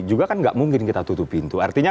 juga kan enggak mungkin kita tutup pintu